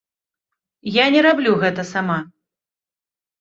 Я не раблю гэта сама.